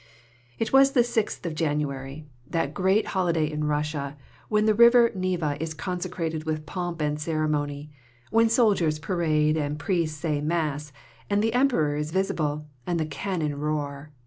It was the 6th of January, that great holiday in Russia, when the river Neva is consecrated with pomp and ceremony, when soldiers parade and priests say mass, and the Emperor is visible, and the cannon roar.